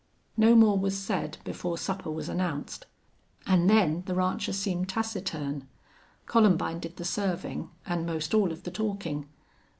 No more was said before supper was announced, and then the rancher seemed taciturn. Columbine did the serving, and most all of the talking.